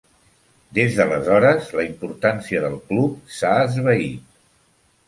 Des d'aleshores, la importància del club s'ha esvaït.